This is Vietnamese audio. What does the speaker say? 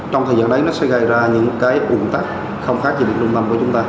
trong thời gian đấy nó sẽ gây ra những cái ủng tắc không khác gì đến trung tâm của chúng ta